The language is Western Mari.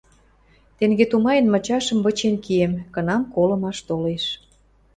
Тенге тумаен, мычашым вычен киэм: кынам колымаш толеш.